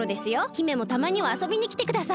姫もたまにはあそびにきてください。